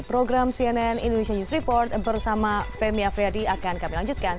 program cnn indonesia news report bersama femi afriyadi akan kami lanjutkan